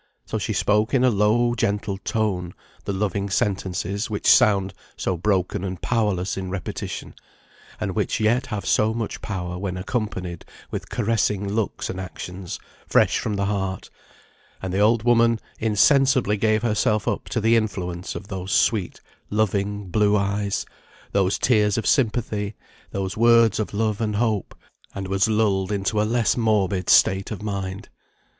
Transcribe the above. So she spoke in a low gentle tone the loving sentences, which sound so broken and powerless in repetition, and which yet have so much power when accompanied with caressing looks and actions, fresh from the heart; and the old woman insensibly gave herself up to the influence of those sweet, loving blue eyes, those tears of sympathy, those words of love and hope, and was lulled into a less morbid state of mind.